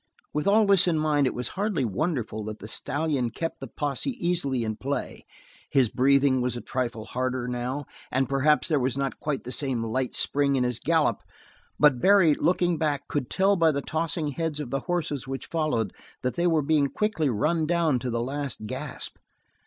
With all this in mind it was hardly wonderful that the stallion kept the posse easily in play. His breathing was a trifle harder, now, and perhaps there was not quite the same light spring in his gallop, but Barry, looking back, could tell by the tossing heads of the horses which followed that they were being quickly run down to the last gasp.